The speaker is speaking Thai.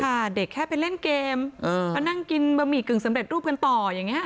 เด็กแค่ไปเล่นเกมมานั่งกินบะหมี่กึ่งสำเร็จรูปกันต่ออย่างนี้